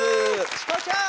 チコちゃん！